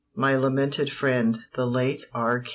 My lamented friend, the late R.